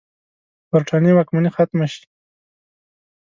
برټانیې واکمني ختمه شي.